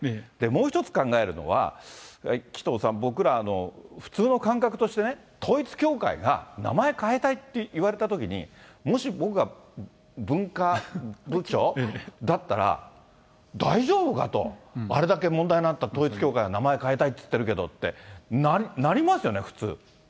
もう一つ考えるのは、紀藤さん、僕ら、普通の感覚として、統一教会が、名前変えたいって言われたときに、もし僕が文化部長だったら、大丈夫かと、あれだけ問題になった統一教会が名前変えたいって言ってるけどっそうですね、